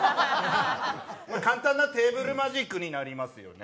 簡単なテーブルマジックになりますよね。